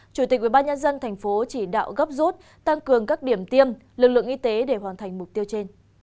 chủ tịch ubnd tp chỉ đạo gấp rút tăng cường các điểm tiêm lực lượng y tế để hoàn thành mục tiêu trên